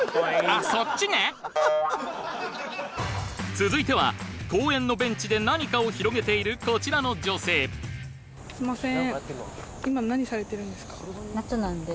続いては公園のベンチで何かを広げているこちらの女性すいません